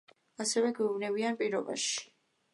ასე გვეუბნებიან პირობაში.